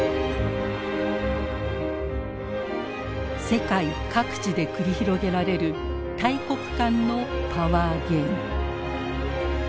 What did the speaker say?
世界各地で繰り広げられる大国間のパワーゲーム。